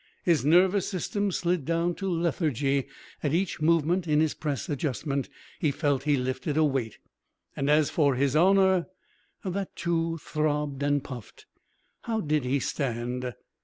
His nervous system slid down to lethargy; at each movement in his press adjustment he felt he lifted a weight. And as for his honour that too throbbed and puffed. How did he stand?